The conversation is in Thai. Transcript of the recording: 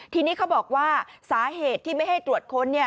ทีนี้เขาบอกว่าสาเหตุที่ไม่ให้ตรวจค้น